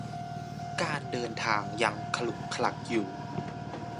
การเดินทางยังขลุกขลักอยู่